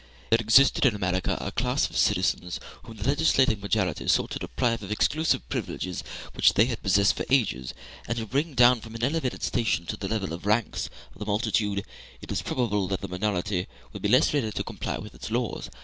If there existed in America a class of citizens whom the legislating majority sought to deprive of exclusive privileges which they had possessed for ages, and to bring down from an elevated station to the level of the ranks of the multitude, it is probable that the minority would be less ready to comply with its laws.